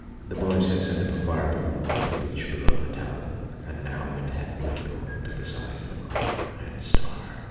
The boys had sent up a fire balloon from the beach below the town, and now it had dwindled to the size of a great red star.